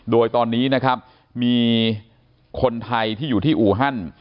โดยตอนนี้นะครับมีคนไทยที่อยู่ที่อูฮัน